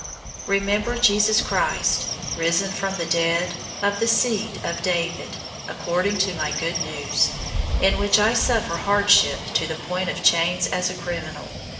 002:008 Remember Jesus Christ, risen from the dead, of the seed of David, according to my Good News, 002:009 in which I suffer hardship to the point of chains as a criminal.